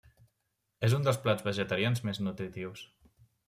És un dels plats vegetarians més nutritius.